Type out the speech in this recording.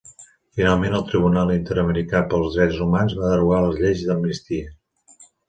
Finalment, el Tribunal Interamericà pels Drets Humans va derogar les lleis d'amnistia.